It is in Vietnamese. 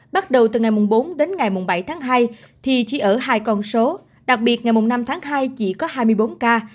bắt đầu từ ngày bốn đến ngày bảy tháng hai thì chỉ ở hai con số đặc biệt ngày năm tháng hai chỉ có hai mươi bốn ca